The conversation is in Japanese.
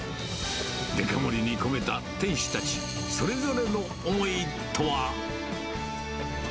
デカ盛りに込めた店主たちそれぞれの思いとは。